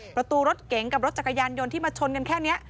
ประตูรถเก๋งกับรถจักรยานยนต์ที่มาชนกันแค่นี้